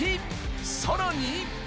さらに。